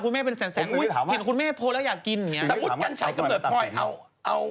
เออมีนแผ่นคุณเมพพท์แล้วอยากกินน่ะ